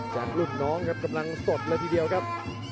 จากรุ่นน้องครับกำลังสดเลยทีเดียวครับ